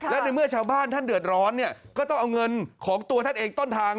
และในเมื่อชาวบ้านท่านเดือดร้อนก็ต้องเอาเงินของตัวท่านเองต้นทาง